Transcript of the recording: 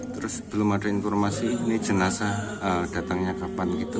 terus belum ada informasi ini jenazah datangnya kapan gitu